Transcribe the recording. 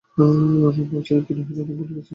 আমি ভাবছিলেম তিনি হয়তো ভুলেই গেছেন– ভারি অন্যায়!